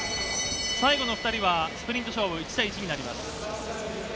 最後の２人はスプリント、勝負１対１になります。